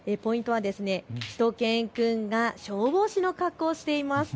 はしゅと犬くんが消防士の格好をしています。